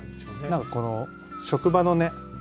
何かこの職場のね